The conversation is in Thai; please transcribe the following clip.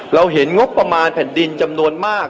เราเห็นงบประมาณแผ่นดินจำนวนมาก